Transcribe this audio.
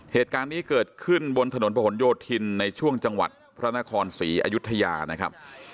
เหตุการณ์นี้เกิดขึ้นบนถนนประหลโยธินในช่วงจังหวัดพระนครศรีอยุธยานะครับ